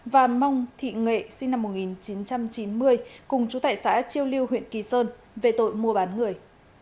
và mong thị nghệ sinh năm một nghìn chín trăm chín mươi cùng chú tại xã chiêu liêu huyện kỳ sơn về tội mua bán người